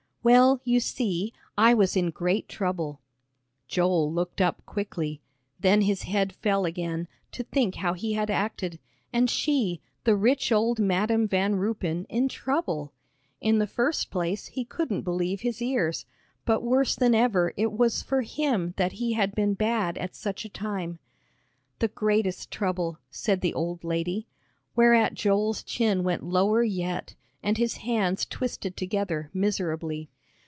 "Well, you see, I was in great trouble." Joel looked up quickly. Then his head fell again, to think how he had acted and she, the rich old Madam Van Ruypen, in trouble! In the first place he couldn't believe his ears; but worse than ever it was for him that he had been bad at such a time. "The greatest trouble," said the old lady, whereat Joel's chin went lower yet, and his hands twisted together miserably.